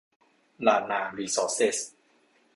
ลานนารีซอร์สเซส